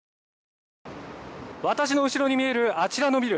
私の後ろに見える、あちらのビル。